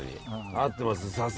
あってます